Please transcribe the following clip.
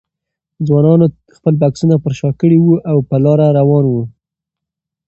ځوانانو خپل بکسونه پر شا کړي وو او په لاره روان وو.